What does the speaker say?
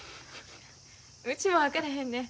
うちも分からへんねん。